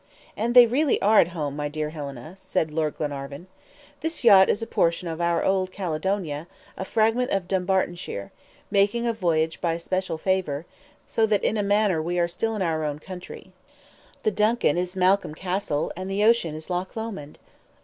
"And they really are at home, my dear Helena," said Lord Glenarvan. "This yacht is a portion of our old Caledonia, a fragment of Dumbartonshire, making a voyage by special favor, so that in a manner we are still in our own country. The DUNCAN is Malcolm Castle, and the ocean is Loch Lomond."